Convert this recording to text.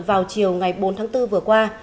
vào chiều ngày bốn tháng bốn vừa qua